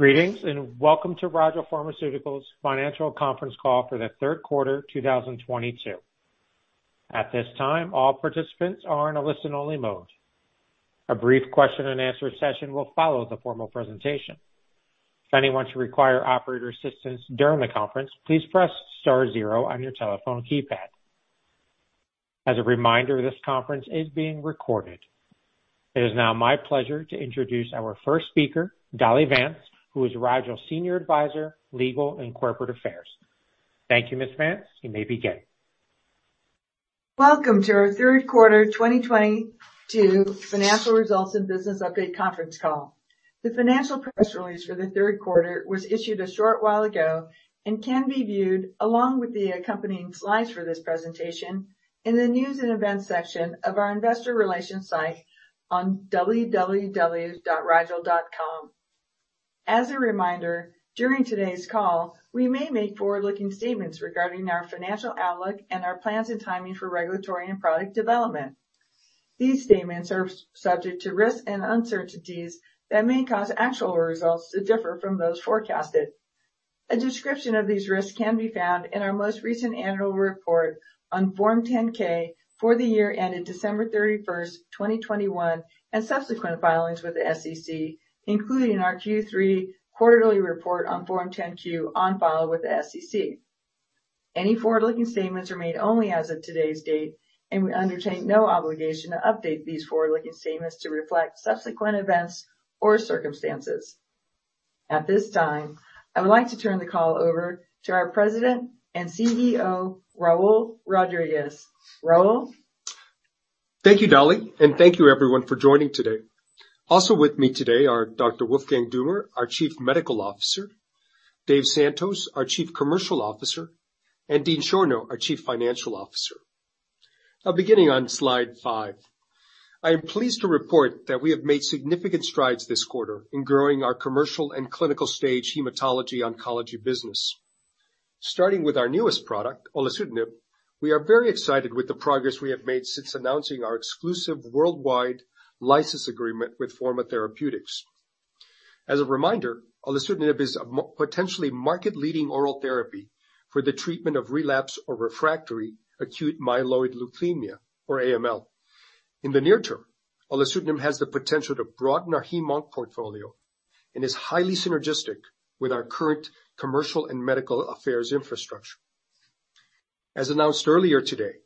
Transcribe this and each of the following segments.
Greetings, and welcome to Rigel Pharmaceuticals Financial Conference Call for the third quarter 2022. At this time, all participants are in a listen-only mode. A brief question and answer session will follow the formal presentation. If anyone should require operator assistance during the conference, please press star zero on your telephone keypad. As a reminder, this conference is being recorded. It is now my pleasure to introduce our first speaker, Dolly Vance, who is Rigel Senior Advisor, Legal and Corporate Affairs. Thank you, Ms. Vance. You may begin. Welcome to our third quarter 2022 financial results and business update conference call. The financial press release for the third quarter was issued a short while ago and can be viewed along with the accompanying slides for this presentation in the News and Events section of our Investor Relations site on www.rigel.com. As a reminder, during today's call, we may make forward-looking statements regarding our financial outlook and our plans and timing for regulatory and product development. These statements are subject to risks and uncertainties that may cause actual results to differ from those forecasted. A description of these risks can be found in our most recent annual report on Form 10-K for the year ended December 31, 2021, and subsequent filings with the SEC, including our Q3 quarterly report on Form 10-Q on file with the SEC. Any forward-looking statements are made only as of today's date, and we undertake no obligation to update these forward-looking statements to reflect subsequent events or circumstances. At this time, I would like to turn the call over to our President and CEO, Raul Rodriguez. Raul. Thank you, Dolly, and thank you everyone for joining today. Also with me today are Dr. Wolfgang Dummer, our Chief Medical Officer, Dave Santos, our Chief Commercial Officer, and Dean Schorno, our Chief Financial Officer. Now beginning on slide five. I am pleased to report that we have made significant strides this quarter in growing our commercial and clinical stage hematology-oncology business. Starting with our newest product, olutasidenib, we are very excited with the progress we have made since announcing our exclusive worldwide license agreement with Forma Therapeutics. As a reminder, olutasidenib is a potentially market-leading oral therapy for the treatment of relapse or refractory acute myeloid leukemia, or AML. In the near term, olutasidenib has the potential to broaden our hem/onc portfolio and is highly synergistic with our current commercial and medical affairs infrastructure. As announced earlier today,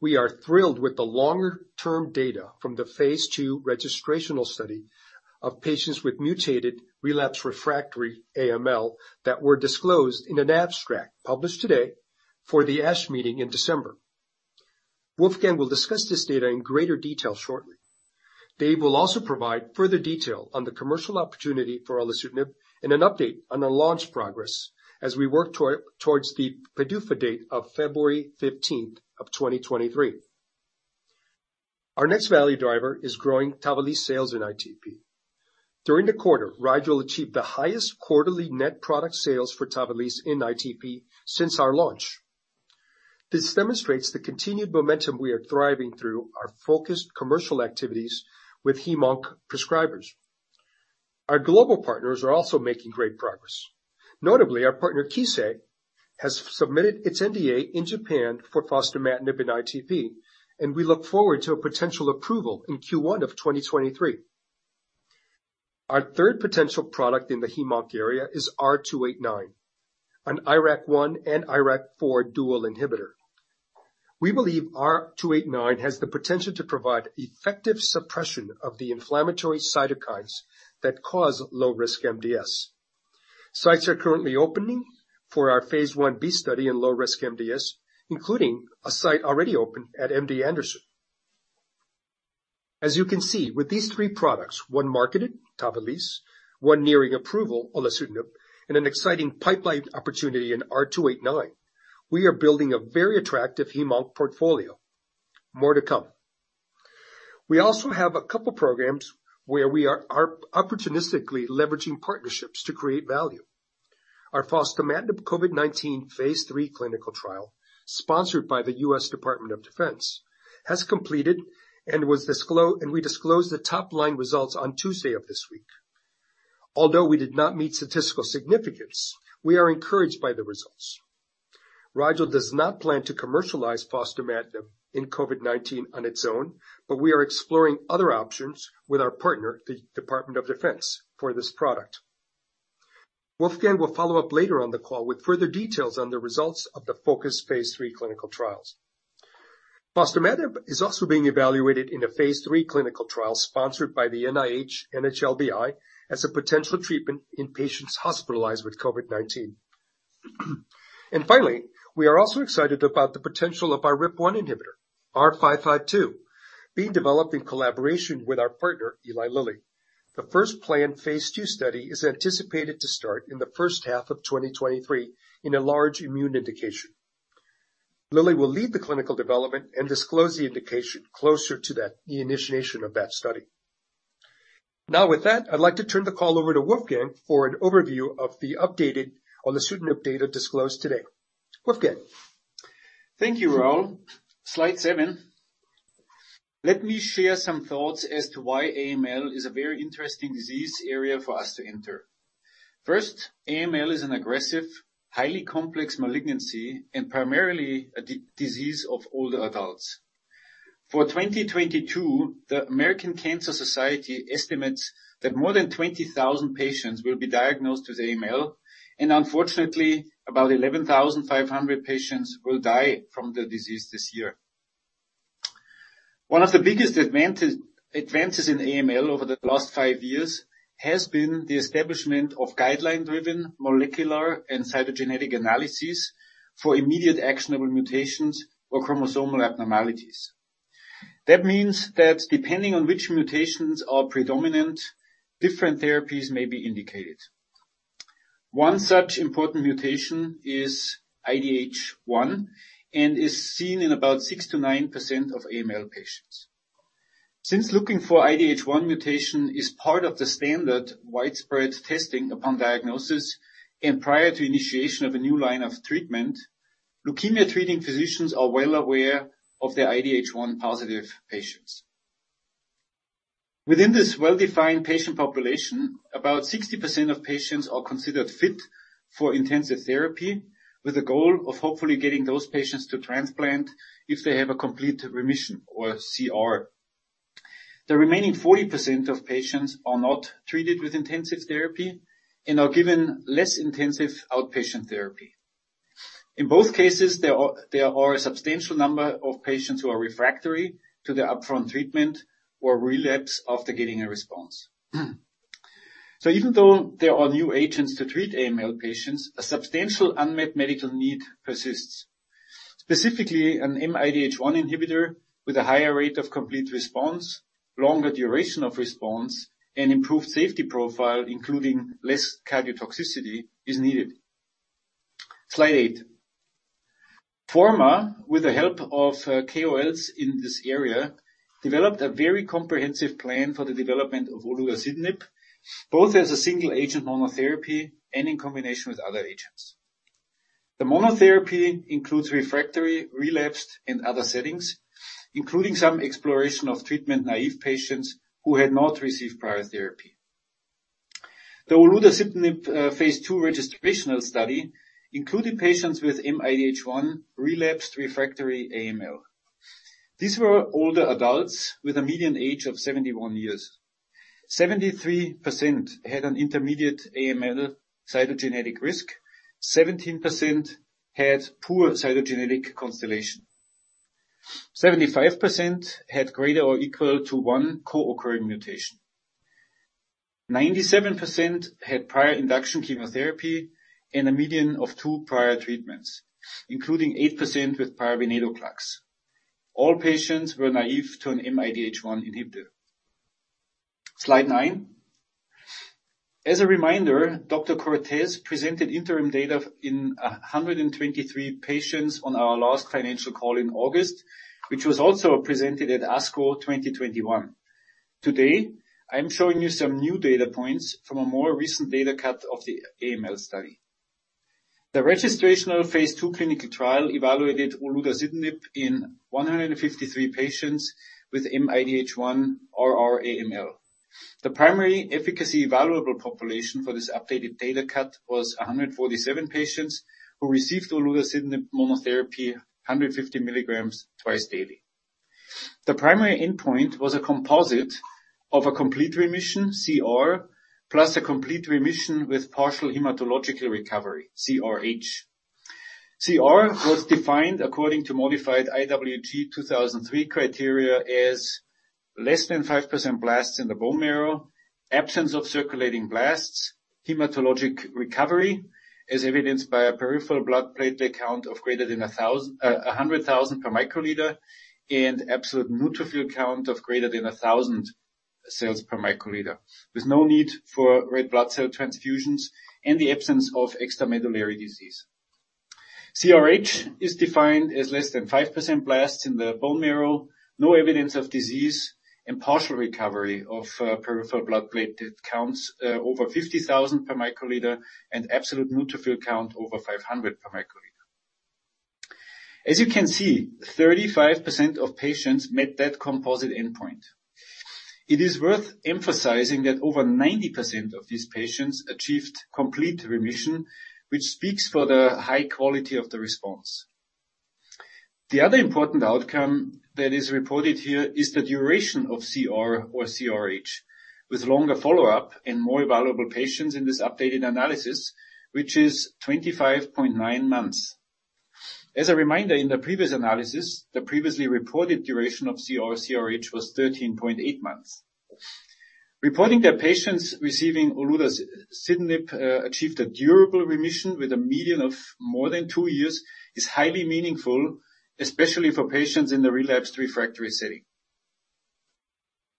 we are thrilled with the longer-term data from the phase II registrational study of patients with mutated relapse refractory AML that were disclosed in an abstract published today for the ASH meeting in December. Wolfgang will discuss this data in greater detail shortly. Dave will also provide further detail on the commercial opportunity for olutasidenib and an update on the launch progress as we work towards the PDUFA date of February 15th of 2023. Our next value driver is growing TAVALISSE sales in ITP. During the quarter, Rigel achieved the highest quarterly net product sales for TAVALISSE in ITP since our launch. This demonstrates the continued momentum we are driving through our focused commercial activities with hem/onc prescribers. Our global partners are also making great progress. Notably, our partner Kissei has submitted its NDA in Japan for fostamatinib in ITP, and we look forward to a potential approval in Q1 of 2023. Our third potential product in the hem/onc area is R289, an IRAK1 and IRAK4 dual inhibitor. We believe R289 has the potential to provide effective suppression of the inflammatory cytokines that cause low-risk MDS. Sites are currently opening for our phase Ib study in low-risk MDS, including a site already open at MD Anderson. As you can see, with these three products, one marketed, TAVALISSE, one nearing approval, olutasidenib, and an exciting pipeline opportunity in R289, we are building a very attractive hem/onc portfolio. More to come. We also have a couple programs where we are opportunistically leveraging partnerships to create value. Our fostamatinib COVID-19 phase III clinical trial, sponsored by the U.S. Department of Defense, has completed and we disclosed the top-line results on Tuesday of this week. Although we did not meet statistical significance, we are encouraged by the results. Rigel does not plan to commercialize fostamatinib in COVID-19 on its own, but we are exploring other options with our partner, the Department of Defense, for this product. Wolfgang will follow up later on the call with further details on the results of the FOCUS phase III clinical trial. Fostamatinib is also being evaluated in a phase III clinical trial sponsored by the NIH/NHLBI as a potential treatment in patients hospitalized with COVID-19. Finally, we are also excited about the potential of our RIPK1 inhibitor, R552, being developed in collaboration with our partner, Eli Lilly. The first planned phase II study is anticipated to start in the first half of 2023 in a large immune indication. Lilly will lead the clinical development and disclose the indication closer to that, the initiation of that study. Now with that, I'd like to turn the call over to Wolfgang for an overview of the updated olutasidenib data disclosed today. Wolfgang. Thank you, Raul. Slide seven. Let me share some thoughts as to why AML is a very interesting disease area for us to enter. First, AML is an aggressive, highly complex malignancy and primarily a disease of older adults. For 2022, the American Cancer Society estimates that more than 20,000 patients will be diagnosed with AML, and unfortunately, about 11,500 patients will die from the disease this year. One of the biggest advances in AML over the last five years has been the establishment of guideline-driven molecular and cytogenetic analyses for immediate actionable mutations or chromosomal abnormalities. That means that depending on which mutations are predominant, different therapies may be indicated. One such important mutation is IDH1 and is seen in about 6%-9% of AML patients. Since looking for IDH1 mutation is part of the standard widespread testing upon diagnosis and prior to initiation of a new line of treatment, leukemia-treating physicians are well aware of the IDH1-positive patients. Within this well-defined patient population, about 60% of patients are considered fit for intensive therapy with the goal of hopefully getting those patients to transplant if they have a complete remission or CR. The remaining 40% of patients are not treated with intensive therapy and are given less intensive outpatient therapy. In both cases, there are a substantial number of patients who are refractory to the upfront treatment or relapse after getting a response. Even though there are new agents to treat AML patients, a substantial unmet medical need persists. Specifically, an mIDH1 inhibitor with a higher rate of complete response, longer duration of response, and improved safety profile, including less cardiotoxicity, is needed. Slide eight. Forma, with the help of KOLs in this area, developed a very comprehensive plan for the development of olutasidenib, both as a single agent monotherapy and in combination with other agents. The monotherapy includes refractory, relapsed, and other settings, including some exploration of treatment-naive patients who had not received prior therapy. The olutasidenib phase II registrational study included patients with mIDH1 relapsed refractory AML. These were older adults with a median age of 71 years. 73% had an intermediate AML cytogenetic risk. 17% had poor cytogenetic classification. 75% had greater or equal to one co-occurring mutation. 97% had prior induction chemotherapy and a median of two prior treatments, including 8% with prior venetoclax. All patients were naive to an mIDH1 inhibitor. Slide nine. As a reminder, Dr. Cortes presented interim data in 123 patients on our last financial call in August, which was also presented at ASCO 2021. Today, I'm showing you some new data points from a more recent data cut of the AML study. The registrational phase II clinical trial evaluated olutasidenib in 153 patients with mIDH1 RR AML. The primary efficacy evaluable population for this updated data cut was 147 patients who received olutasidenib monotherapy, 150 mg twice daily. The primary endpoint was a composite of a complete remission, CR, plus a complete remission with partial hematological recovery, CRh. CR was defined according to modified IWG 2003 criteria as less than 5% blasts in the bone marrow, absence of circulating blasts, hematologic recovery, as evidenced by a peripheral blood platelet count of greater than 100,000 per uL, and absolute neutrophil count of greater than 1,000 cells per uL, with no need for red blood cell transfusions and the absence of extramedullary disease. CRh is defined as less than 5% blasts in the bone marrow, no evidence of disease, and partial recovery of peripheral blood platelet counts over 50,000 per uL, and absolute neutrophil count over 500 per uL. As you can see, 35% of patients met that composite endpoint. It is worth emphasizing that over 90% of these patients achieved complete remission, which speaks for the high quality of the response. The other important outcome that is reported here is the duration of CR or CRh, with longer follow-up and more evaluable patients in this updated analysis, which is 25.9 months. As a reminder, in the previous analysis, the previously reported duration of CR or CRh was 13.8 months. Reporting that patients receiving olutasidenib achieved a durable remission with a median of more than two years is highly meaningful, especially for patients in the relapsed refractory setting.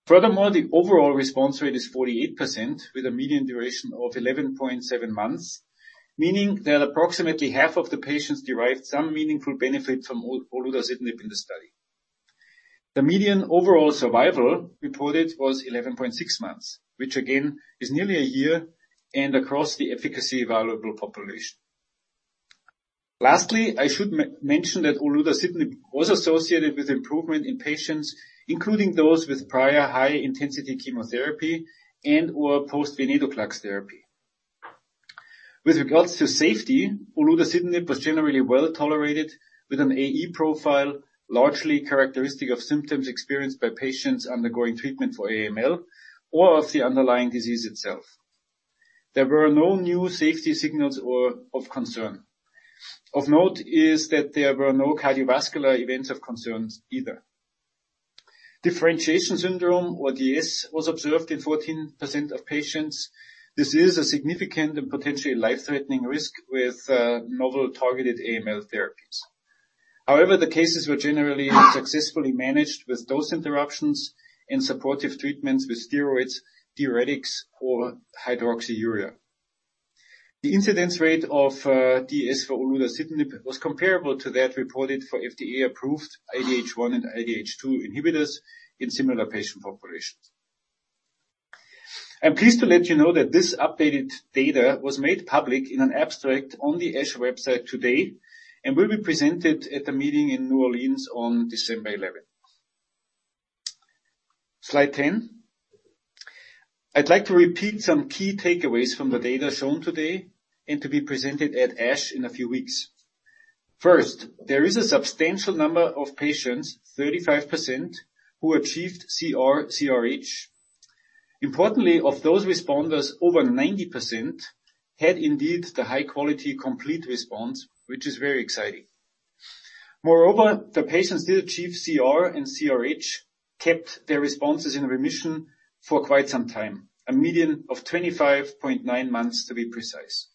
Furthermore, the overall response rate is 48% with a median duration of 11.7 months, meaning that approximately half of the patients derived some meaningful benefit from olutasidenib in the study. The median overall survival reported was 11.6 months, which again, is nearly a year, and across the efficacy evaluable population. Lastly, I should mention that olutasidenib was associated with improvement in patients, including those with prior high-intensity chemotherapy and/or post-venetoclax therapy. With regards to safety, olutasidenib was generally well-tolerated with an AE profile, largely characteristic of symptoms experienced by patients undergoing treatment for AML or of the underlying disease itself. There were no new safety signals or of concern. Of note is that there were no cardiovascular events of concern either. Differentiation syndrome, or DS, was observed in 14% of patients. This is a significant and potentially life-threatening risk with novel-targeted AML therapies. However, the cases were generally successfully managed with dose interruptions and supportive treatments with steroids, diuretics or hydroxyurea. The incidence rate of DS for olutasidenib was comparable to that reported for FDA-approved IDH1 and IDH2 inhibitors in similar patient populations. I'm pleased to let you know that this updated data was made public in an abstract on the ASH website today and will be presented at the meeting in New Orleans on December 11th. Slide 10. I'd like to repeat some key takeaways from the data shown today and to be presented at ASH in a few weeks. First, there is a substantial number of patients, 35% who achieved CR/CRh. Importantly, of those responders, over 90% had indeed the high-quality complete response, which is very exciting. Moreover, the patients did achieve CR and CRh kept their responses in remission for quite some time, a median of 25.9 months to be precise.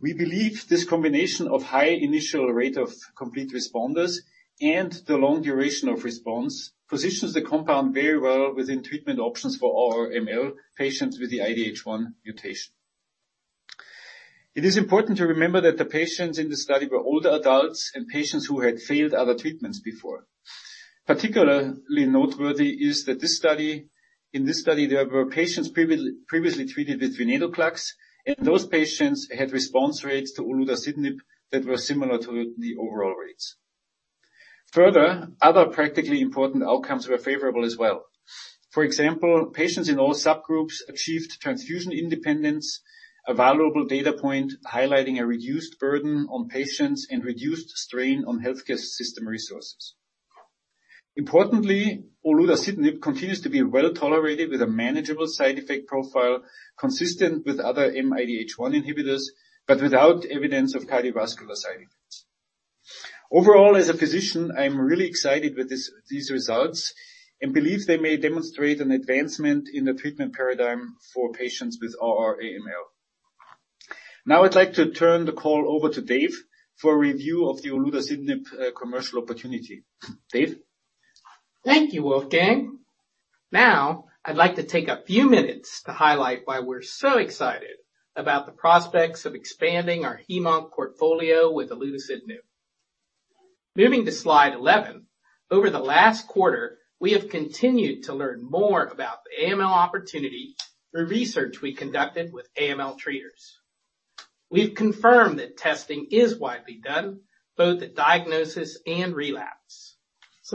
We believe this combination of high initial rate of complete responders and the long duration of response positions the compound very well within treatment options for AML patients with the IDH1 mutation. It is important to remember that the patients in the study were older adults and patients who had failed other treatments before. Particularly noteworthy is that in this study, there were patients previously treated with venetoclax, and those patients had response rates to olutasidenib that were similar to the overall rates. Further, other practically important outcomes were favorable as well. For example, patients in all subgroups achieved transfusion independence, a valuable data point highlighting a reduced burden on patients and reduced strain on healthcare system resources. Importantly, olutasidenib continues to be well-tolerated with a manageable side effect profile consistent with other mIDH1 inhibitors, but without evidence of cardiovascular side effects. Overall, as a physician, I'm really excited with these results and believe they may demonstrate an advancement in the treatment paradigm for patients with R/R AML. Now I'd like to turn the call over to Dave for a review of the olutasidenib commercial opportunity. Dave. Thank you, Wolfgang. Now, I'd like to take a few minutes to highlight why we're so excited about the prospects of expanding our hem/onc portfolio with olutasidenib. Moving to slide 11. Over the last quarter, we have continued to learn more about the AML opportunity through research we conducted with AML treaters. We've confirmed that testing is widely done, both at diagnosis and relapse.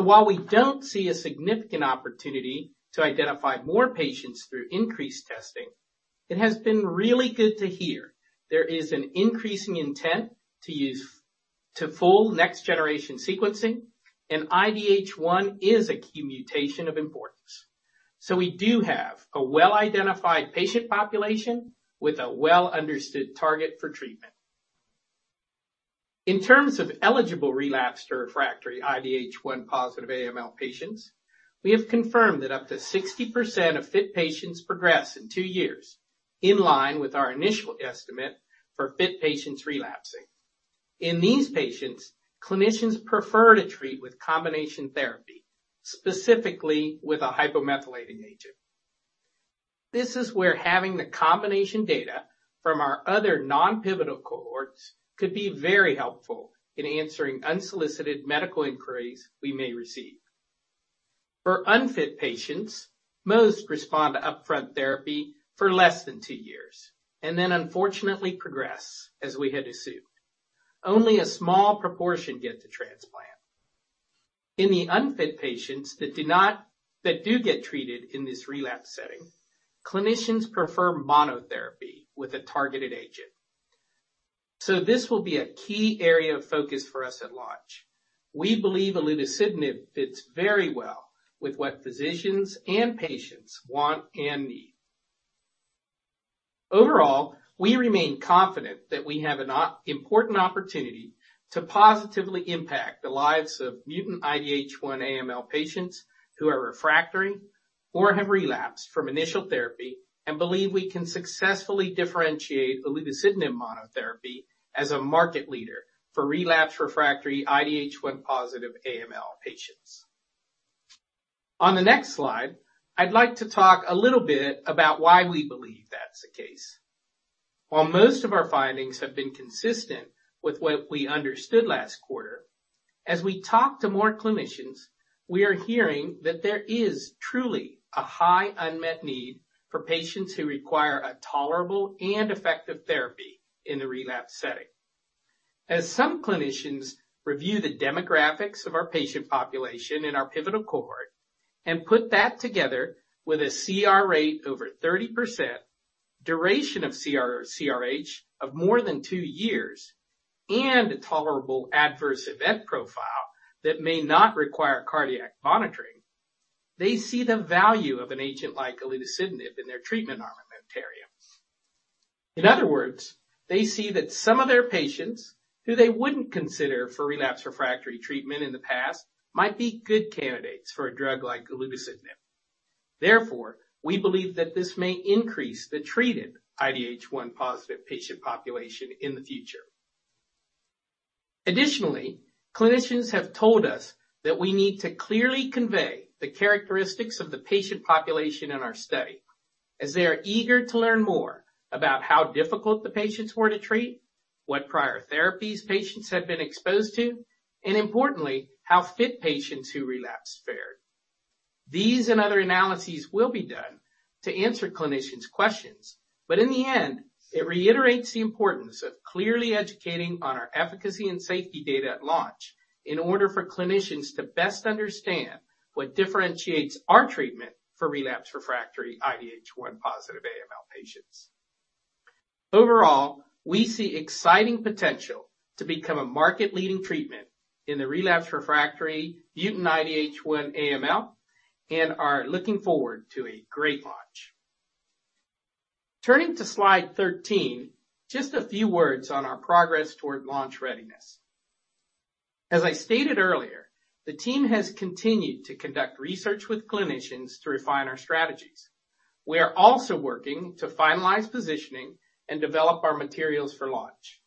While we don't see a significant opportunity to identify more patients through increased testing, it has been really good to hear there is an increasing intent to use to full next-generation sequencing, and IDH1 is a key mutation of importance. We do have a well-identified patient population with a well-understood target for treatment. In terms of eligible relapsed refractory IDH1 positive AML patients, we have confirmed that up to 60% of fit patients progress in two years, in line with our initial estimate for fit patients relapsing. In these patients, clinicians prefer to treat with combination therapy, specifically with a hypomethylating agent. This is where having the combination data from our other non-pivotal cohorts could be very helpful in answering unsolicited medical inquiries we may receive. For unfit patients, most respond to upfront therapy for less than two years, and then unfortunately progress as we had assumed. Only a small proportion get to transplant. In the unfit patients that do get treated in this relapse setting, clinicians prefer monotherapy with a targeted agent. This will be a key area of focus for us at launch. We believe olutasidenib fits very well with what physicians and patients want and need. Overall, we remain confident that we have an important opportunity to positively impact the lives of mutant IDH1 AML patients who are refractory or have relapsed from initial therapy and believe we can successfully differentiate olutasidenib monotherapy as a market leader for relapse refractory IDH1 positive AML patients. On the next slide, I'd like to talk a little bit about why we believe that's the case. While most of our findings have been consistent with what we understood last quarter, as we talk to more clinicians, we are hearing that there is truly a high unmet need for patients who require a tolerable and effective therapy in the relapsed setting. As some clinicians review the demographics of our patient population in our pivotal cohort and put that together with a CR rate over 30%, duration of CR/CRh of more than two years, and a tolerable adverse event profile that may not require cardiac monitoring, they see the value of an agent like olutasidenib in their treatment armamentarium. In other words, they see that some of their patients who they wouldn't consider for relapse refractory treatment in the past might be good candidates for a drug like olutasidenib. Therefore, we believe that this may increase the treated IDH1 positive patient population in the future. Additionally, clinicians have told us that we need to clearly convey the characteristics of the patient population in our study, as they are eager to learn more about how difficult the patients were to treat, what prior therapies patients had been exposed to, and importantly, how fit patients who relapsed fared. These and other analyses will be done to answer clinicians' questions. In the end, it reiterates the importance of clearly educating on our efficacy and safety data at launch in order for clinicians to best understand what differentiates our treatment for relapsed/refractory IDH1-positive AML patients. Overall, we see exciting potential to become a market-leading treatment in the relapsed/refractory mutant IDH1 AML and are looking forward to a great launch. Turning to slide 13, just a few words on our progress toward launch readiness. As I stated earlier, the team has continued to conduct research with clinicians to refine our strategies. We are also working to finalize positioning and develop our materials for launch.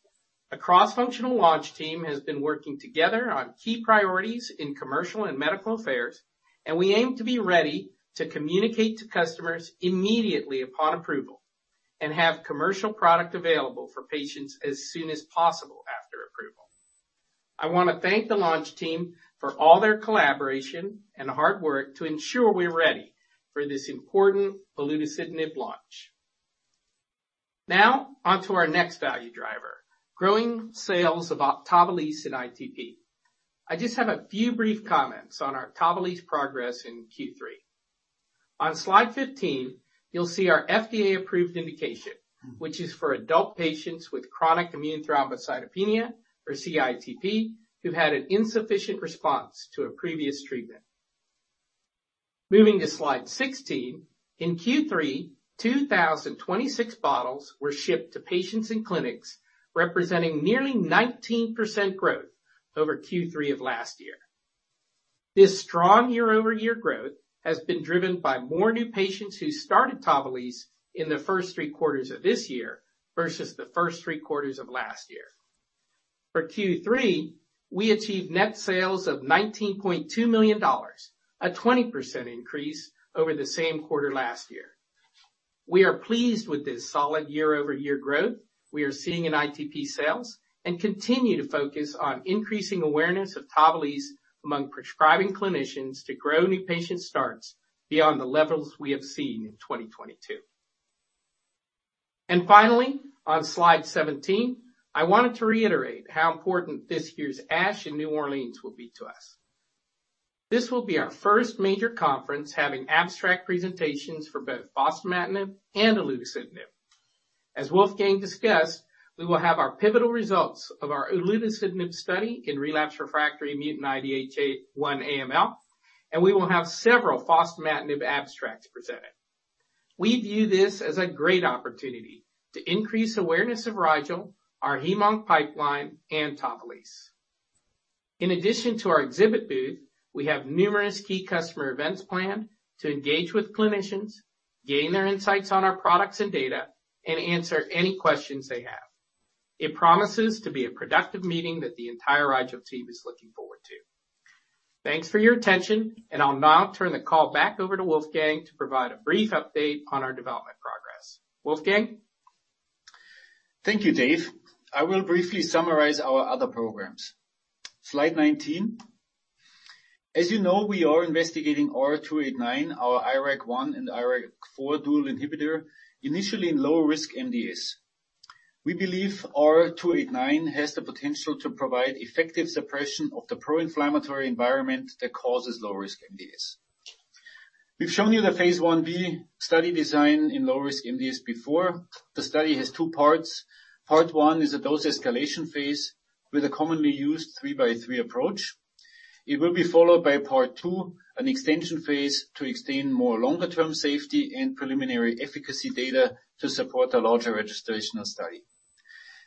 A cross-functional launch team has been working together on key priorities in commercial and medical affairs, and we aim to be ready to communicate to customers immediately upon approval and have commercial product available for patients as soon as possible after approval. I want to thank the launch team for all their collaboration and hard work to ensure we're ready for this important olutasidenib launch. Now on to our next value driver, growing sales of TAVALISSE in ITP. I just have a few brief comments on our TAVALISSE progress in Q3. On slide 15, you'll see our FDA-approved indication, which is for adult patients with chronic immune thrombocytopenia or CITP who had an insufficient response to a previous treatment. Moving to slide 16, in Q3 2,026 bottles were shipped to patients in clinics representing nearly 19% growth over Q3 of last year. This strong year-over-year growth has been driven by more new patients who started TAVALISSE in the first three quarters of this year versus the first three quarters of last year. For Q3, we achieved net sales of $19.2 million, a 20% increase over the same quarter last year. We are pleased with this solid year-over-year growth we are seeing in ITP sales and continue to focus on increasing awareness of TAVALISSE among prescribing clinicians to grow new patient starts beyond the levels we have seen in 2022. Finally, on slide 17, I wanted to reiterate how important this year's ASH in New Orleans will be to us. This will be our first major conference having abstract presentations for both fostamatinib and olutasidenib. As Wolfgang discussed, we will have our pivotal results of our olutasidenib study in relapse refractory mutant IDH1 AML, and we will have several fostamatinib abstracts presented. We view this as a great opportunity to increase awareness of Rigel, our hem/onc pipeline, and TAVALISSE. In addition to our exhibit booth, we have numerous key customer events planned to engage with clinicians, gain their insights on our products and data, and answer any questions they have. It promises to be a productive meeting that the entire Rigel team is looking forward to. Thanks for your attention, and I'll now turn the call back over to Wolfgang to provide a brief update on our development progress. Wolfgang. Thank you, Dave. I will briefly summarize our other programs. Slide 19. As you know, we are investigating R289, our IRAK1 and IRAK4 dual inhibitor, initially in low risk MDS. We believe R289 has the potential to provide effective suppression of the pro-inflammatory environment that causes low risk MDS. We've shown you the phase Ib study design in low risk MDS before. The study has two parts. Part one is a dose escalation phase with a commonly used three-by-three approach. It will be followed by part two, an extension phase to extend more longer-term safety and preliminary efficacy data to support a larger registrational study.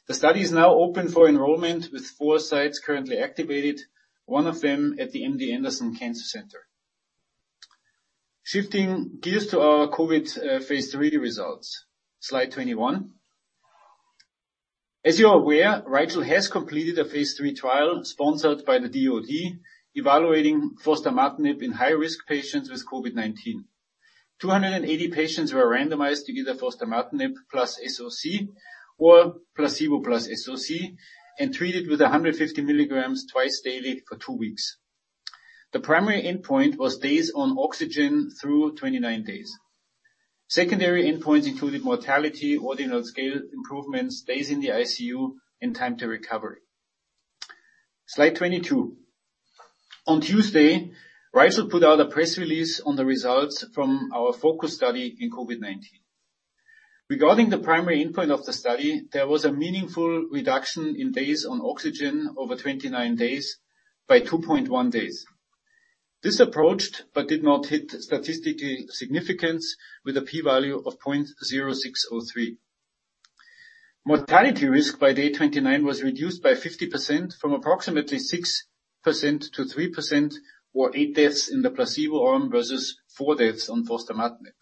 The study is now open for enrollment with four sites currently activated, one of them at the MD Anderson Cancer Center. Shifting gears to our COVID phase III results. Slide 21. As you are aware, Rigel has completed a phase III trial sponsored by the DOD, evaluating fostamatinib in high-risk patients with COVID-19. 280 patients were randomized to either fostamatinib plus SOC or placebo plus SOC and treated with 150 milligrams twice daily for two weeks. The primary endpoint was days on oxygen through 29 days. Secondary endpoints included mortality, ordinal scale improvements, days in the ICU, and time to recovery. Slide 22. On Tuesday, Rigel put out a press release on the results from our FOCUS study in COVID-19. Regarding the primary endpoint of the study, there was a meaningful reduction in days on oxygen over 29 days by 2.1 days. This approached but did not hit statistical significance with a P-value of 0.603. Mortality risk by day 29 was reduced by 50% from approximately 6% to 3%, or eight deaths in the placebo arm versus four deaths on fostamatinib.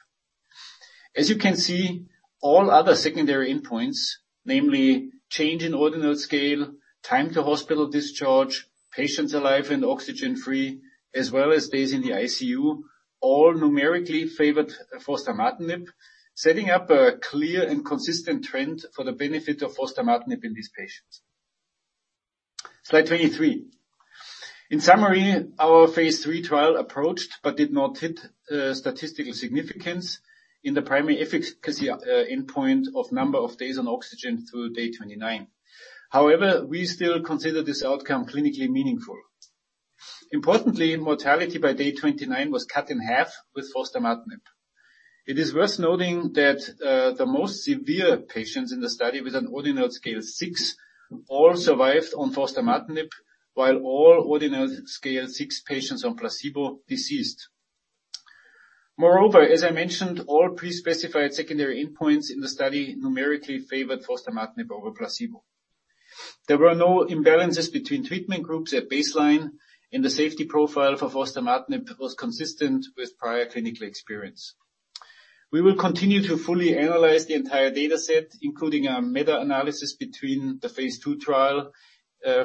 As you can see, all other secondary endpoints, namely change in ordinal scale, time to hospital discharge, patients alive and oxygen-free, as well as days in the ICU, all numerically favored fostamatinib, setting up a clear and consistent trend for the benefit of fostamatinib in these patients. Slide 23. In summary, our phase III trial approached but did not hit statistical significance in the primary efficacy endpoint of number of days on oxygen through day 29. However, we still consider this outcome clinically meaningful. Importantly, mortality by day 29 was cut in half with fostamatinib. It is worth noting that the most severe patients in the study with an Ordinal Scale 6 all survived on fostamatinib, while all Ordinal Scale 6 patients on placebo deceased. Moreover, as I mentioned, all pre-specified secondary endpoints in the study numerically favored fostamatinib over placebo. There were no imbalances between treatment groups at baseline, and the safety profile for fostamatinib was consistent with prior clinical experience. We will continue to fully analyze the entire dataset, including a meta-analysis between the phase II trial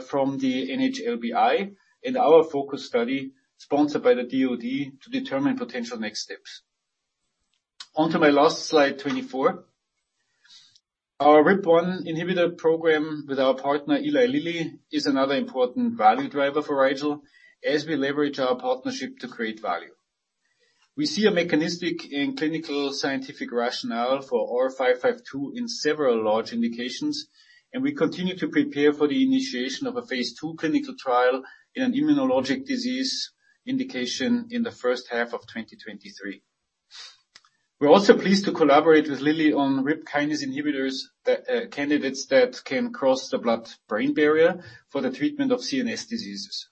from the NHLBI and our FOCUS study sponsored by the DoD to determine potential next steps. On to my last slide, 24. Our RIP1 inhibitor program with our partner, Eli Lilly, is another important value driver for Rigel as we leverage our partnership to create value. We see a mechanistic and clinical scientific rationale for R552 in several large indications, and we continue to prepare for the initiation of a phase II clinical trial in an immunologic disease indication in the first half of 2023. We're also pleased to collaborate with Lilly on RIP Kinase inhibitors, candidates that can cross the blood-brain barrier for the treatment of CNS diseases.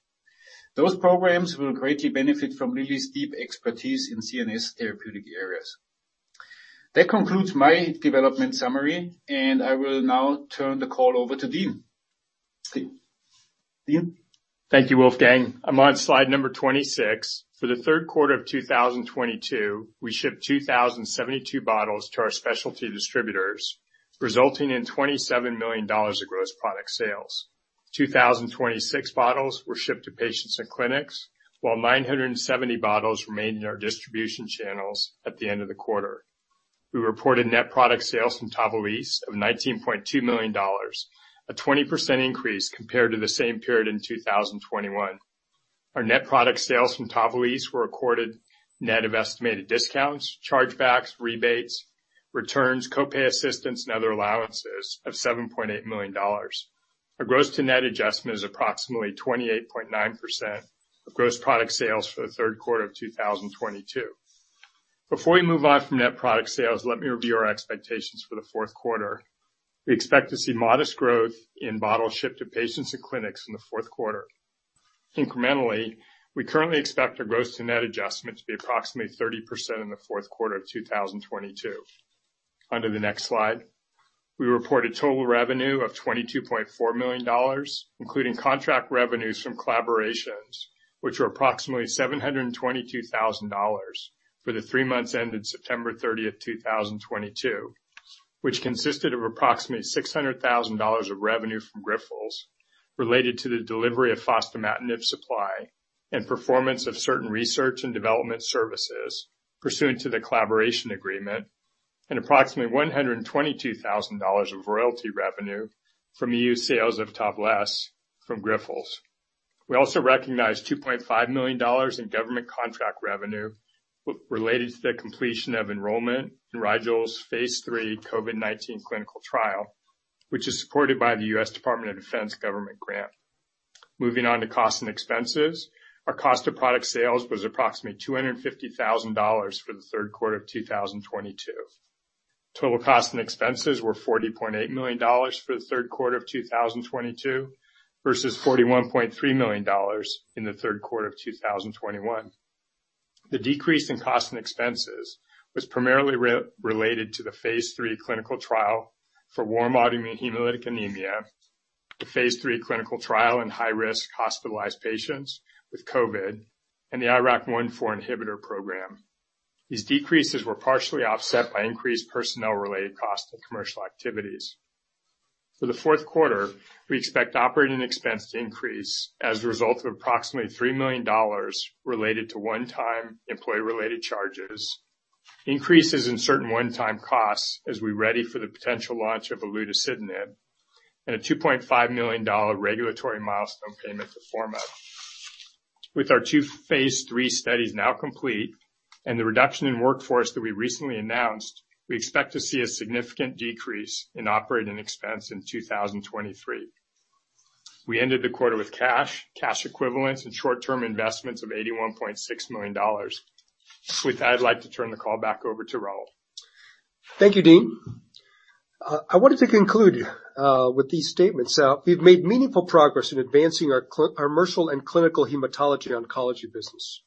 Those programs will greatly benefit from Lilly's deep expertise in CNS therapeutic areas. That concludes my development summary, and I will now turn the call over to Dean. Dean? Thank you, Wolfgang. I'm on slide number 26. For the third quarter of 2022, we shipped 2,072 bottles to our specialty distributors, resulting in $27 million of gross product sales. 2,026 bottles were shipped to patients and clinics, while 970 bottles remained in our distribution channels at the end of the quarter. We reported net product sales from TAVALISSE of $19.2 million, a 20% increase compared to the same period in 2021. Our net product sales from TAVALISSE were recorded net of estimated discounts, chargebacks, rebates, returns, co-pay assistance, and other allowances of $7.8 million. Our gross to net adjustment is approximately 28.9% of gross product sales for the third quarter of 2022. Before we move on from net product sales, let me review our expectations for the fourth quarter. We expect to see modest growth in bottles shipped to patients and clinics in the fourth quarter. Incrementally, we currently expect our gross to net adjustment to be approximately 30% in the fourth quarter of 2022. On to the next slide. We reported total revenue of $22.4 million, including contract revenues from collaborations, which were approximately $722,000 for the three months ended September 30th, 2022, which consisted of approximately $600,000 of revenue from Grifols related to the delivery of fostamatinib supply and performance of certain research and development services pursuant to the collaboration agreement and approximately $122,000 of royalty revenue from EU sales of TAVALISSE from Grifols. We also recognized $2.5 million in government contract revenue related to the completion of enrollment in Rigel's phase III COVID-19 clinical trial, which is supported by the U.S. Department of Defense government grant. Moving on to costs and expenses. Our cost of product sales was approximately $250,000 for the third quarter of 2022. Total costs and expenses were $40.8 million for the third quarter of 2022 versus $41.3 million in the third quarter of 2021. The decrease in costs and expenses was primarily related to the phase III clinical trial for warm autoimmune hemolytic anemia. The phase III clinical trial in high-risk hospitalized patients with COVID and the IRAK1/4 inhibitor program. These decreases were partially offset by increased personnel-related costs and commercial activities. For the fourth quarter, we expect operating expense to increase as a result of approximately $3 million related to one-time employee-related charges, increases in certain one-time costs as we ready for the potential launch of olutasidenib, and a $2.5 million regulatory milestone payment to Forma. With our two phase III studies now complete and the reduction in workforce that we recently announced, we expect to see a significant decrease in operating expense in 2023. We ended the quarter with cash equivalents, and short-term investments of $81.6 million. With that, I'd like to turn the call back over to Raul. Thank you, Dean. I wanted to conclude with these statements. We've made meaningful progress in advancing our Commercial and Clinical Hematology Oncology business.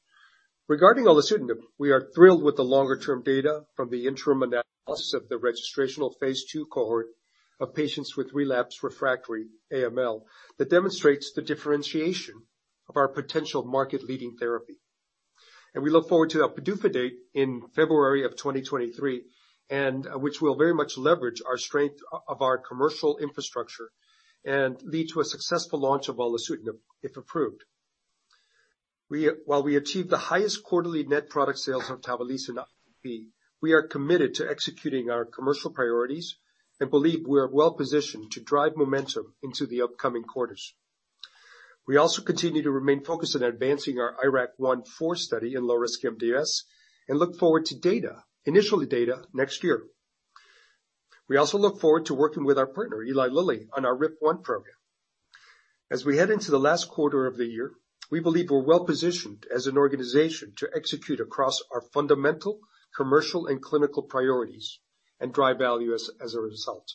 Regarding olutasidenib, we are thrilled with the longer-term data from the interim analysis of the registrational phase II cohort of patients with relapsed refractory AML that demonstrates the differentiation of our potential market-leading therapy. We look forward to our PDUFA date in February of 2023, which will very much leverage our strength of our commercial infrastructure and lead to a successful launch of olutasidenib, if approved. We, while we achieved the highest quarterly net product sales of TAVALISSE, are committed to executing our commercial priorities and believe we are well-positioned to drive momentum into the upcoming quarters. We also continue to remain focused on advancing our IRAK1/4 study in low-risk MDS and look forward to data, initial data next year. We also look forward to working with our partner, Eli Lilly, on our RIP1 program. As we head into the last quarter of the year, we believe we're well-positioned as an organization to execute across our fundamental commercial and clinical priorities and drive value as a result.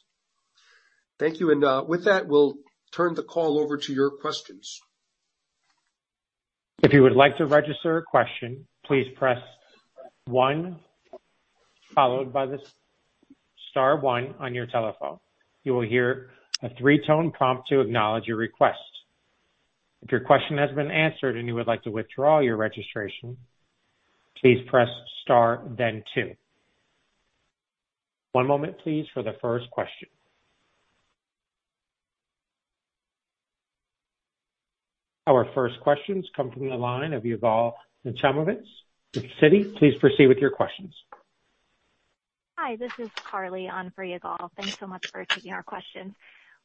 Thank you. With that, we'll turn the call over to your questions. If you would like to register a question, please press one, followed by the star one on your telephone. You will hear a three-tone prompt to acknowledge your request. If your question has been answered and you would like to withdraw your registration, please press star, then two. One moment, please, for the first question. Our first questions come from the line of Yigal Nochomovitz with Citi. Please proceed with your questions. Hi, this is Carly on for Yigal. Thanks so much for taking our questions.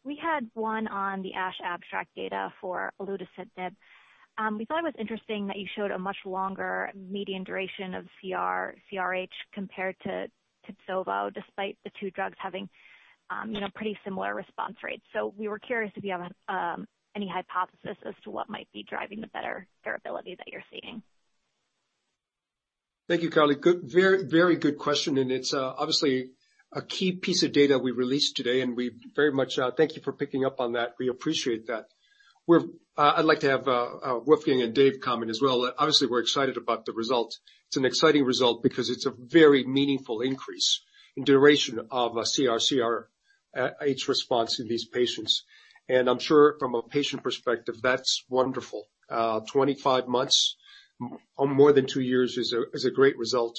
We had one on the ASH abstract data for olutasidenib. We thought it was interesting that you showed a much longer median duration of CR/CRh compared to Tibsovo, despite the two drugs having, you know, pretty similar response rates. We were curious if you have any hypothesis as to what might be driving the better durability that you're seeing. Thank you, Carly. Good. Very good question, and it's obviously a key piece of data we released today, and we very much thank you for picking up on that. We appreciate that. I'd like to have Wolfgang and Dave comment as well. Obviously, we're excited about the result. It's an exciting result because it's a very meaningful increase in duration of a CR/CRh response in these patients. I'm sure from a patient perspective, that's wonderful. 25 months or more than two years is a great result.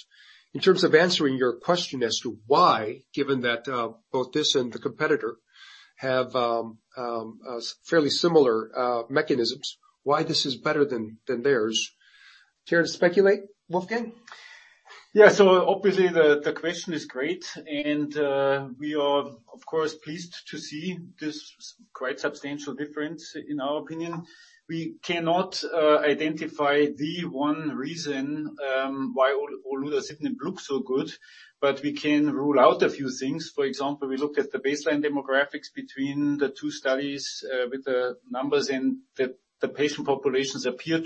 In terms of answering your question as to why, given that both this and the competitor have fairly similar mechanisms, why this is better than theirs. Care to speculate, Wolfgang? Yeah. Obviously the question is great. We are, of course, pleased to see this quite substantial difference in our opinion. We cannot identify the one reason why olutasidenib looks so good, but we can rule out a few things. For example, we looked at the baseline demographics between the two studies with the numbers, and the patient populations appear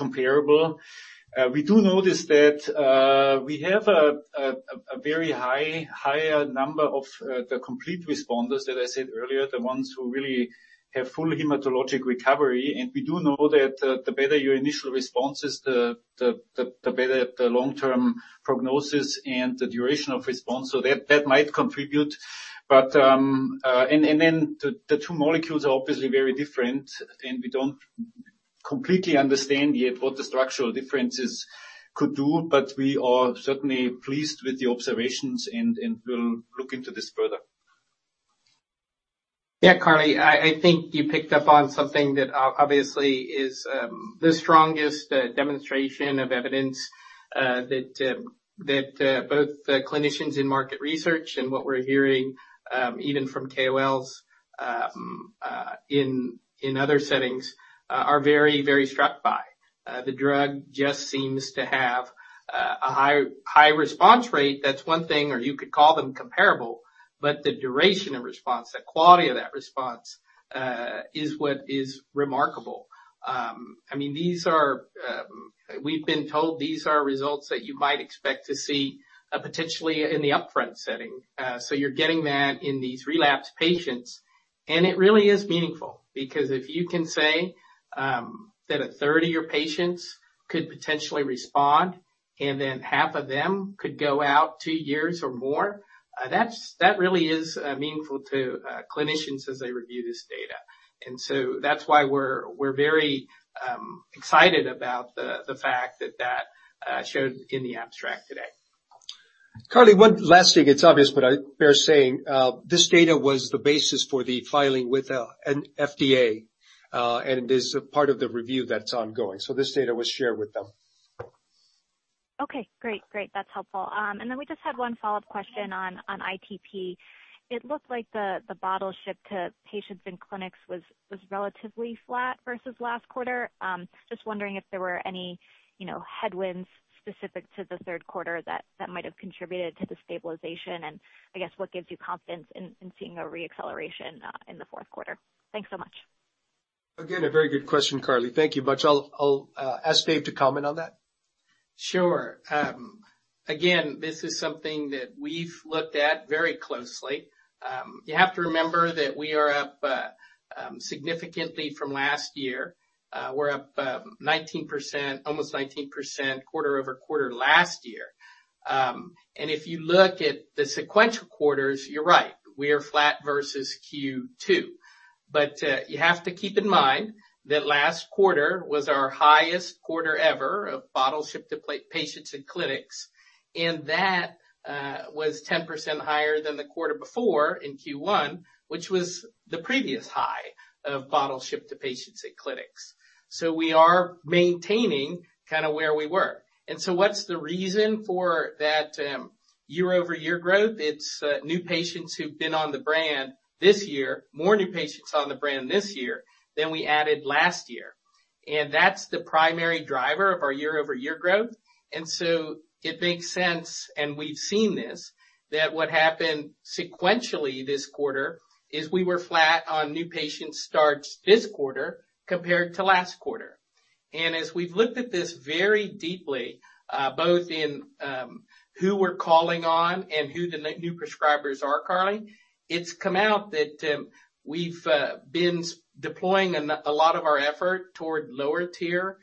comparable. We notice that we have a higher number of the complete responders that I said earlier, the ones who really have full hematologic recovery. We know that the better your initial response is, the better the long-term prognosis and the duration of response. That might contribute. The two molecules are obviously very different, and we don't completely understand yet what the structural differences could do. We are certainly pleased with the observations and will look into this further. Yeah, Carly, I think you picked up on something that obviously is the strongest demonstration of evidence that both the clinicians in market research and what we're hearing even from KOLs in other settings are very, very struck by. The drug just seems to have a high response rate. That's one thing, or you could call them comparable, but the duration of response, the quality of that response is what is remarkable. I mean, these are. We've been told these are results that you might expect to see potentially in the upfront setting. You're getting that in these relapsed patients, and it really is meaningful because if you can say that a third of your patients could potentially respond. Then half of them could go out two years or more. That's really meaningful to clinicians as they review this data. That's why we're very excited about the fact that showed in the abstract today. Carly, one last thing. It's obvious, but it's worth saying, this data was the basis for the filing with an FDA, and is a part of the review that's ongoing. This data was shared with them. Okay, great. That's helpful. We just had one follow-up question on ITP. It looked like the bottle shipped to patients in clinics was relatively flat versus last quarter. Just wondering if there were any, you know, headwinds specific to the third quarter that might have contributed to the stabilization. I guess what gives you confidence in seeing a re-acceleration in the fourth quarter? Thanks so much. Again, a very good question, Carly. Thank you much. I'll ask Dave to comment on that. Sure. Again, this is something that we've looked at very closely. You have to remember that we are up significantly from last year. We're up almost 19% quarter over quarter last year. If you look at the sequential quarters, you're right, we are flat versus Q2. You have to keep in mind that last quarter was our highest quarter ever of bottles shipped to patients in clinics, and that was 10% higher than the quarter before in Q1, which was the previous high of bottles shipped to patients in clinics. We are maintaining kind of where we were. What's the reason for that year-over-year growth? It's new patients who've been on the brand this year, more new patients on the brand this year than we added last year. That's the primary driver of our year-over-year growth. It makes sense, and we've seen this, that what happened sequentially this quarter is we were flat on new patient starts this quarter compared to last quarter. As we've looked at this very deeply, both in who we're calling on and who the new prescribers are, Carly, it's come out that we've been deploying a lot of our effort toward lower tier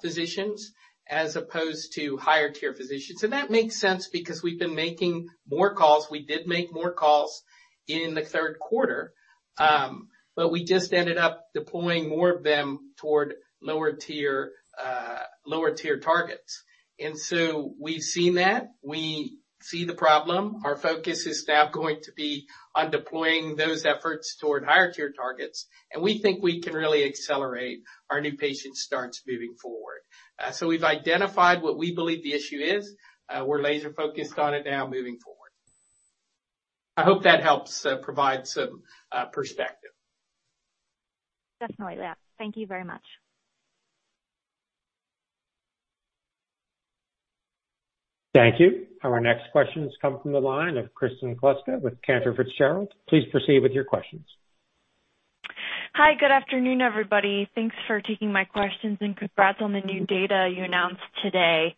physicians as opposed to higher tier physicians. That makes sense because we've been making more calls. We did make more calls in the third quarter, but we just ended up deploying more of them toward lower tier targets. We've seen that. We see the problem. Our focus is now going to be on deploying those efforts toward higher tier targets, and we think we can really accelerate our new patient starts moving forward. We've identified what we believe the issue is. We're laser focused on it now moving forward. I hope that helps provide some perspective. Definitely. Yeah. Thank you very much. Thank you. Our next question has come from the line of Kristen Kluska with Cantor Fitzgerald. Please proceed with your questions. Hi. Good afternoon, everybody. Thanks for taking my questions, and congrats on the new data you announced today.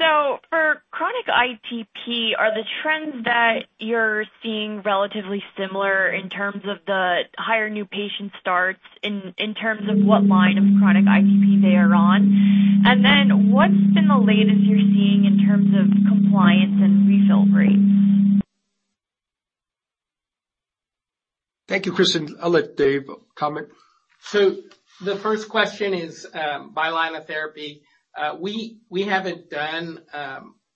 For chronic ITP, are the trends that you're seeing relatively similar in terms of the higher new patient starts in terms of what line of chronic ITP they are on? And then what's been the latest you're seeing in terms of compliance and refill rates? Thank you, Kristen. I'll let Dave comment. The first question is, by line of therapy. We haven't done.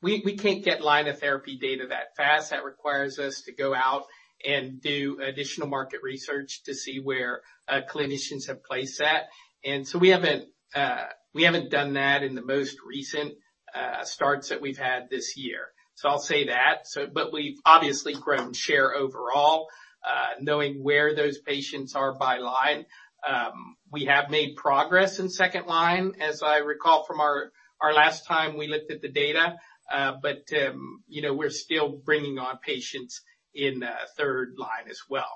We can't get line of therapy data that fast. That requires us to go out and do additional market research to see where clinicians have placed that. We haven't done that in the most recent starts that we've had this year. I'll say that. We've obviously grown share overall, knowing where those patients are by line. We have made progress in second line, as I recall from our last time we looked at the data. You know, we're still bringing on patients in third line as well.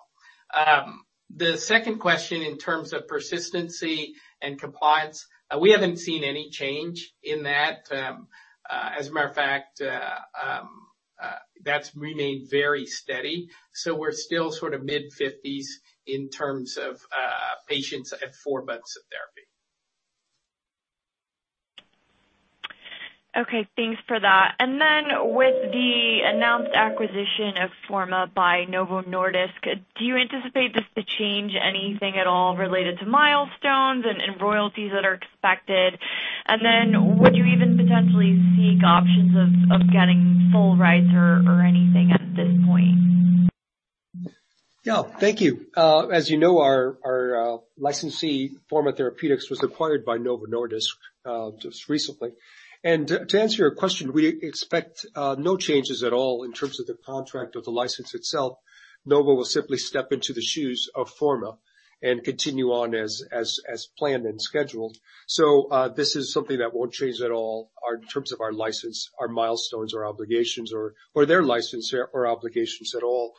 The second question in terms of persistency and compliance, we haven't seen any change in that. As a matter of fact, that's remained very steady. We're still sort of mid-50s in terms of patients at four months of therapy. Okay. Thanks for that. With the announced acquisition of Forma by Novo Nordisk, do you anticipate this to change anything at all related to milestones and royalties that are expected? Would you even potentially seek options of getting full rights or anything at this point? Yeah. Thank you. As you know, our licensee, Forma Therapeutics, was acquired by Novo Nordisk just recently. To answer your question, we expect no changes at all in terms of the contract or the license itself. Novo will simply step into the shoes of Forma and continue on as planned and scheduled. This is something that won't change at all in terms of our license, our milestones, our obligations or their license or obligations at all.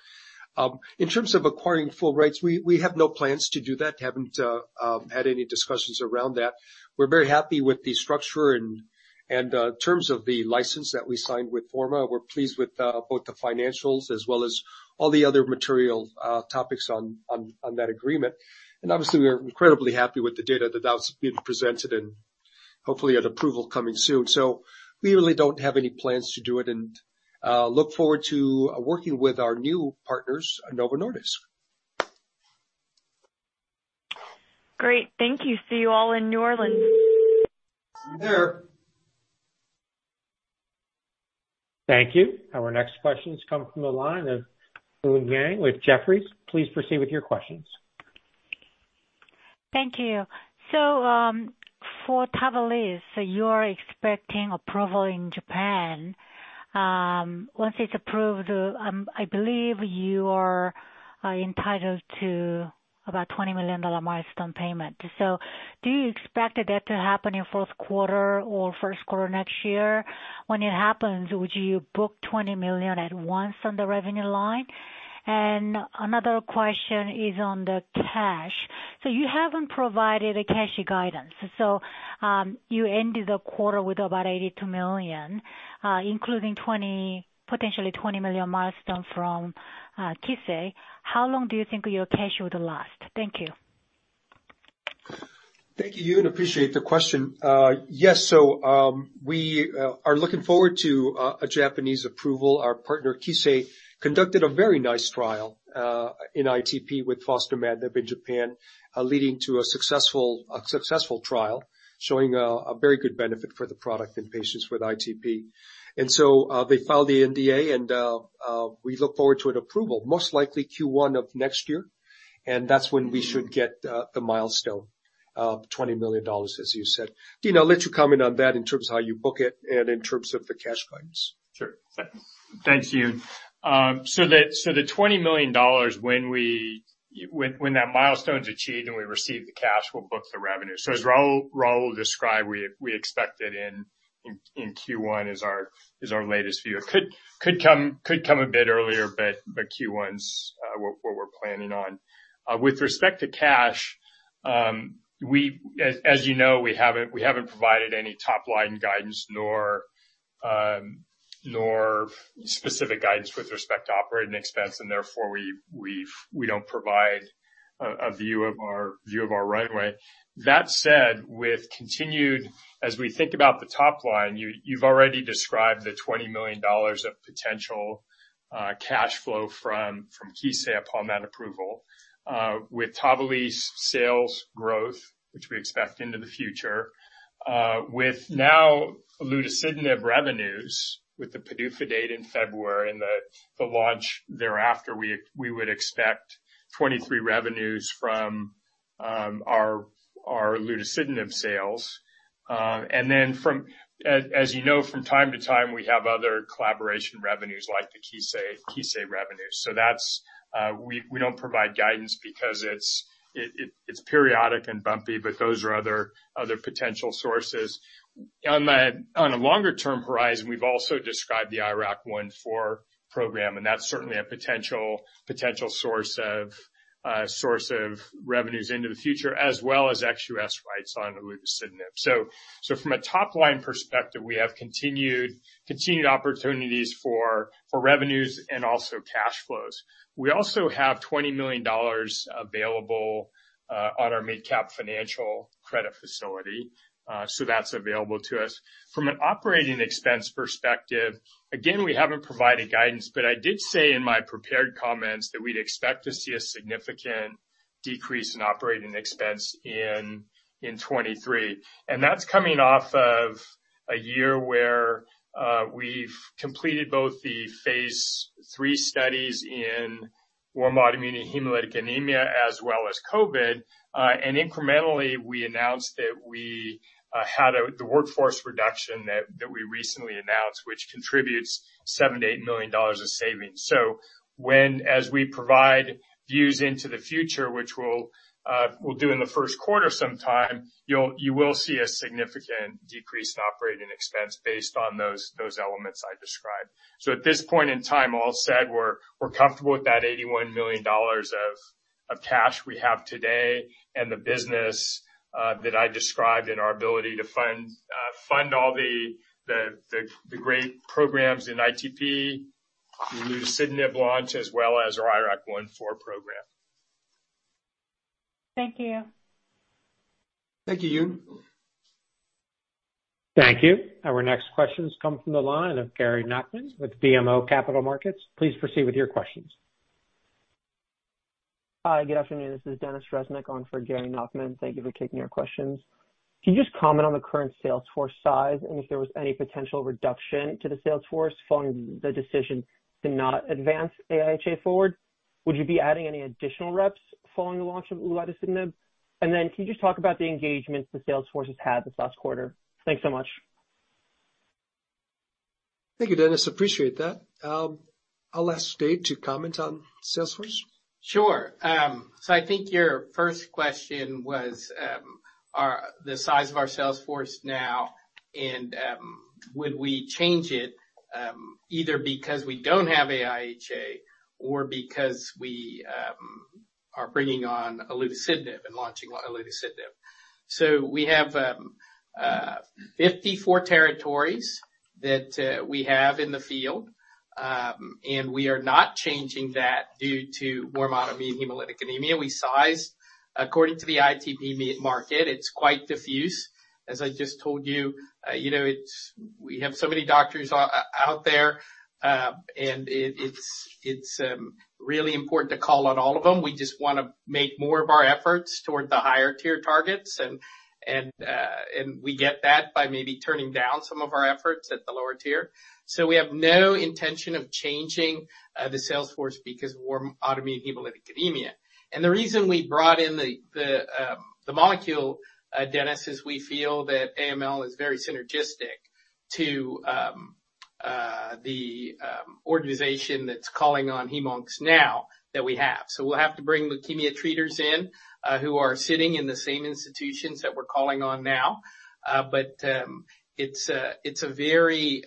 In terms of acquiring full rights, we have no plans to do that, haven't had any discussions around that. We're very happy with the structure and terms of the license that we signed with Forma. We're pleased with both the financials as well as all the other material topics on that agreement. Obviously, we are incredibly happy with the data that now is being presented and hopefully an approval coming soon. We really don't have any plans to do it and look forward to working with our new partners, Novo Nordisk. Great. Thank you. See you all in New Orleans. See you there. Thank you. Our next question comes from the line of Eun Yang with Jefferies. Please proceed with your questions. Thank you. For TAVALISSE, you're expecting approval in Japan. Once it's approved, I believe you are entitled to about $20 million milestone payment. Do you expect that to happen in fourth quarter or first quarter next year? When it happens, would you book $20 million at once on the revenue line? Another question is on the cash. You haven't provided a cash guidance, so you ended the quarter with about $82 million, including potentially $20 million milestone from Kissei. How long do you think your cash would last? Thank you. Thank you, Eun. Appreciate the question. Yes, we are looking forward to a Japanese approval. Our partner, Kissei, conducted a very nice trial in ITP with fostamatinib in Japan, leading to a successful trial, showing a very good benefit for the product in patients with ITP. They filed the NDA, and we look forward to an approval, most likely Q1 of next year, and that's when we should get the milestone of $20 million, as you said. Dean, I'll let you comment on that in terms of how you book it and in terms of the cash guidance. Sure. Thank you. The $20 million when that milestone's achieved and we receive the cash, we'll book the revenue. As Raul described, we expect it in Q1 is our latest view. It could come a bit earlier, but Q1's what we're planning on. With respect to cash, as you know, we haven't provided any top-line guidance nor specific guidance with respect to operating expense and therefore we don't provide a view of our runway. That said. As we think about the top line, you've already described the $20 million of potential cash flow from Kissei upon that approval. With TAVALISSE sales growth, which we expect into the future, with now olutasidenib revenues with the PDUFA date in February and the launch thereafter, we would expect 2023 revenues from our olutasidenib sales. As you know, from time to time, we have other collaboration revenues like the Kissei revenues. That's, we don't provide guidance because it's periodic and bumpy, but those are other potential sources. On a longer-term horizon, we've also described the IRAK1/4 program, and that's certainly a potential source of revenues into the future as well as ex-U.S. rights on olutasidenib. From a top-line perspective, we have continued opportunities for revenues and also cash flows. We also have $20 million available on our MidCap Financial credit facility, so that's available to us. From an operating expense perspective, again, we haven't provided guidance, but I did say in my prepared comments that we'd expect to see a significant decrease in operating expense in 2023. That's coming off of a year where we've completed both the phase III studies in warm autoimmune hemolytic anemia as well as COVID. And incrementally, we announced that we had the workforce reduction that we recently announced, which contributes $7 million-$8 million of savings. As we provide views into the future, which we'll do in the first quarter sometime, you'll see a significant decrease in operating expense based on those elements I described. At this point in time, all said, we're comfortable with that $81 million of cash we have today and the business that I described and our ability to fund all the great programs in ITP, the olutasidenib launch, as well as our IRAK1/4 program. Thank you. Thank you, Eun. Thank you. Our next question comes from the line of Gary Nachman with BMO Capital Markets. Please proceed with your questions. Hi, good afternoon. This is Dennis Resnick on for Gary Nachman. Thank you for taking our questions. Can you just comment on the current sales force size and if there was any potential reduction to the sales force following the decision to not advance wAIHA forward? Would you be adding any additional reps following the launch of olutasidenib? Can you just talk about the engagements the sales force has had this last quarter? Thanks so much. Thank you, Dennis. Appreciate that. I'll ask Dave to comment on sales force. Sure. I think your first question was, the size of our sales force now and, would we change it, either because we don't have AIHA or because we are bringing on olutasidenib and launching olutasidenib. We have 54 territories that we have in the field. We are not changing that due to warm autoimmune hemolytic anemia. We sized according to the ITP market. It's quite diffuse, as I just told you. You know, it's we have so many doctors out there, and it's really important to call on all of them. We just want to make more of our efforts toward the higher tier targets. We get that by maybe turning down some of our efforts at the lower tier. We have no intention of changing the sales force because warm autoimmune hemolytic anemia. The reason we brought in the molecule, Dennis, is we feel that AML is very synergistic to the organization that's calling on hem/oncs now that we have. We'll have to bring leukemia treaters in who are sitting in the same institutions that we're calling on now. It's a very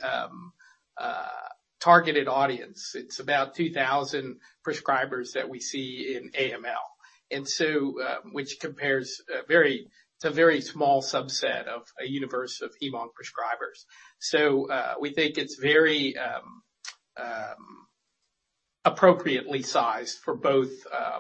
targeted audience. It's about 2,000 prescribers that we see in AML. Which compares very to a very small subset of a universe of hem/onc prescribers. We think it's very appropriately sized for both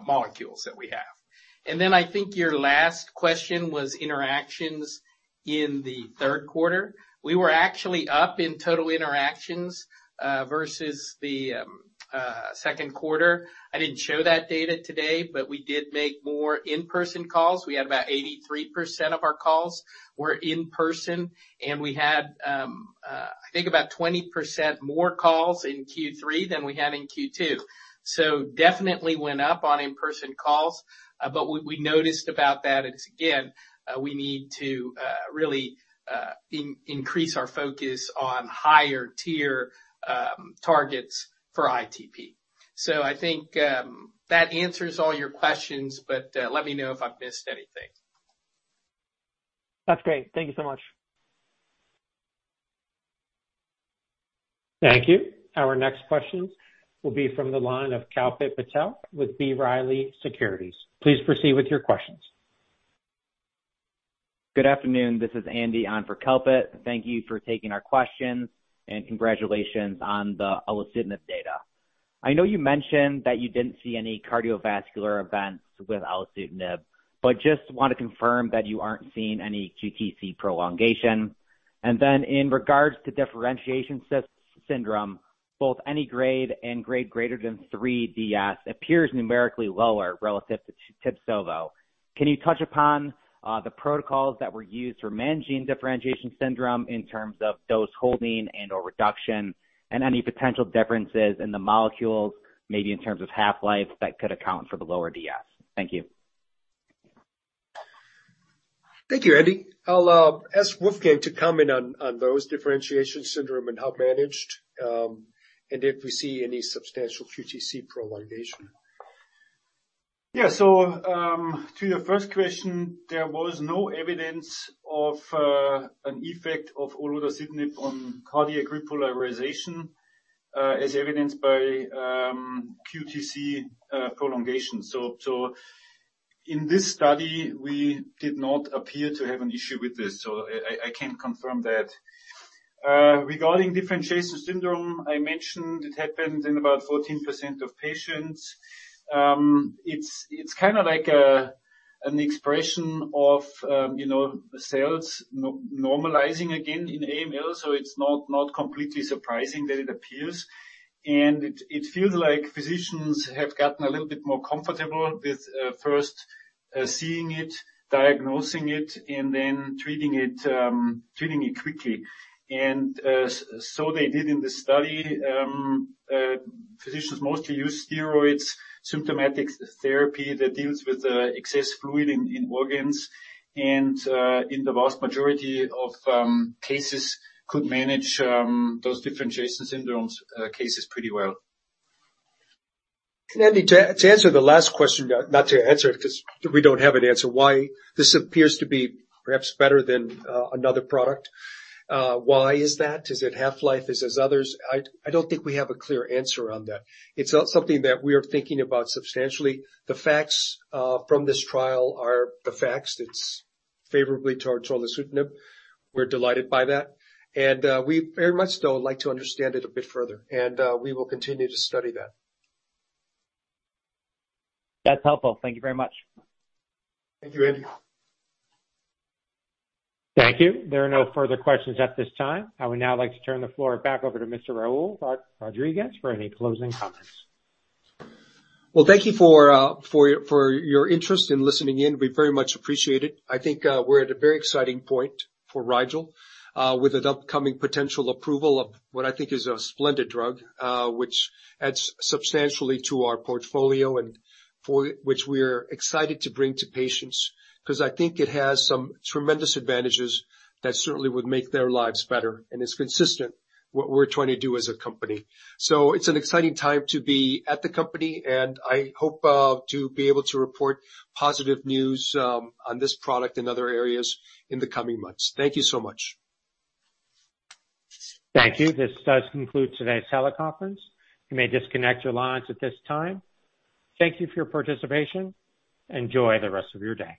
molecules that we have. I think your last question was interactions in the third quarter. We were actually up in total interactions versus the second quarter. I didn't show that data today, but we did make more in-person calls. We had about 83% of our calls were in person, and we had I think about 20% more calls in Q3 than we had in Q2. Definitely went up on in-person calls. But what we noticed about that is, again, we need to really increase our focus on higher tier targets for ITP. I think that answers all your questions, but let me know if I've missed anything. That's great. Thank you so much. Thank you. Our next question will be from the line of Kalpit Patel with B. Riley Securities. Please proceed with your questions. Good afternoon. This is Andy on for Kalpit. Thank you for taking our questions, and congratulations on the olutasidenib data. I know you mentioned that you didn't see any cardiovascular events with olutasidenib, but just want to confirm that you aren't seeing any QTc prolongation. In regards to differentiation syndrome, both any grade and grade greater than three DS appears numerically lower relative to Tibsovo. Can you touch upon the protocols that were used for managing differentiation syndrome in terms of dose holding and/or reduction and any potential differences in the molecules, maybe in terms of half-life that could account for the lower DS? Thank you. Thank you, Andy. I'll ask Wolfgang to comment on those differentiation syndrome and how managed, and if we see any substantial QTc prolongation. Yeah. To your first question, there was no evidence of an effect of olutasidenib on cardiac repolarization, as evidenced by QTc prolongation. In this study, we did not appear to have an issue with this. I can confirm that. Regarding differentiation syndrome, I mentioned it happened in about 14% of patients. It's kind of like an expression of, you know, cells normalizing again in AML, so it's not completely surprising that it appears. It feels like physicians have gotten a little bit more comfortable with first seeing it, diagnosing it, and then treating it quickly. So they did in the study. Physicians mostly use steroids, symptomatic therapy that deals with the excess fluid in organs, and in the vast majority of cases could manage those differentiation syndromes cases pretty well. Andy, to answer the last question, not to answer it because we don't have an answer why this appears to be perhaps better than another product. Why is that? Is it half-life? Is it others? I don't think we have a clear answer on that. It's something that we are thinking about substantially. The facts from this trial are the facts. It's favorably towards olutasidenib. We're delighted by that, and we very much still would like to understand it a bit further, and we will continue to study that. That's helpful. Thank you very much. Thank you, Andy. Thank you. There are no further questions at this time. I would now like to turn the floor back over to Mr. Raul Rodriguez for any closing comments. Well, thank you for your interest in listening in. We very much appreciate it. I think we're at a very exciting point for Rigel with an upcoming potential approval of what I think is a splendid drug which adds substantially to our portfolio and for which we're excited to bring to patients, 'cause I think it has some tremendous advantages that certainly would make their lives better. It's consistent what we're trying to do as a company. It's an exciting time to be at the company, and I hope to be able to report positive news on this product in other areas in the coming months. Thank you so much. Thank you. This does conclude today's teleconference. You may disconnect your lines at this time. Thank you for your participation. Enjoy the rest of your day.